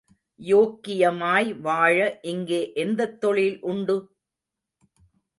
யோக்கியமாய் வாழ இங்கே எந்தத் தொழில் உண்டு?